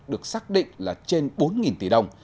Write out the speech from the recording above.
được xác định là trên bốn tỷ đồng